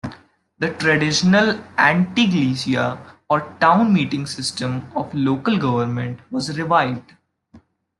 The traditional "anteiglesia" or town meeting system of local government was revived.